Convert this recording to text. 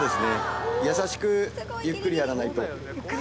優しくゆっくりやらないと。